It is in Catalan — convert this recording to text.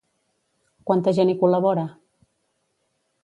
Quanta gent hi col·labora?